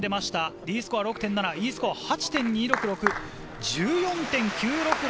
Ｄスコア６．７、Ｅスコア８．２６６。